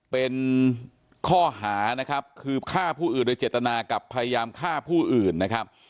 เป็นข้อหานะครับคือฆ่าผู้อื่นโดยเจตนากับพยายามฆ่าผู้อื่นนะครับ